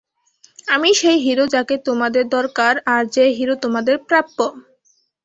আমিই সেই হিরো যাকে তোমাদের দরকার আর যে হিরো তোমাদের প্রাপ্য।